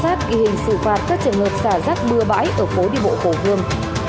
giám sát ghi hình xử phạt các trường hợp xả rắt bưa bãi ở phố đi bộ cổ gương